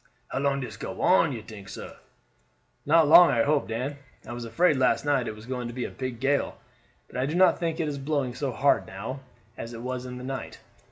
"How long dis go on, you tink, sah?" "Not long, I hope, Dan. I was afraid last night it was going to be a big gale, but I do not think it is blowing so hard now as it was in the night."